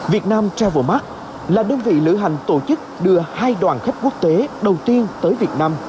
việt nam travel mark là đơn vị lữ hành tổ chức đưa hai đoàn khách quốc tế đầu tiên tới việt nam